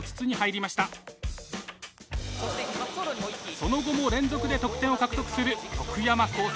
その後も連続で得点を獲得する徳山高専。